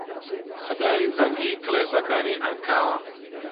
سەدای زەنگی کڵێسەکانی عەنکاوە